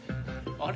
あれ？